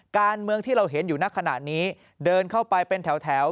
การเมืองที่เราเห็นอยู่ในขณะนี้เดินเข้าไปเป็นแถว